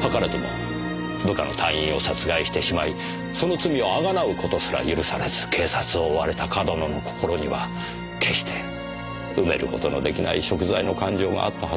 図らずも部下の隊員を殺害してしまいその罪をあがなう事すら許されず警察を追われた上遠野の心には決して埋める事の出来ない贖罪の感情があったはずです。